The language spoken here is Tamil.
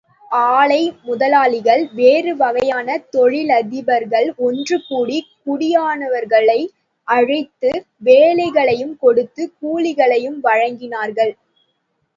ஆலை முதலாளிகள், வேறு வகையான தொழிலதிபர்கள் ஒன்று கூடி, குடியானவர்களை அழைத்து, வேலைகளையும் கொடுத்து கூலிகளையும் வழங்கினார்கள்.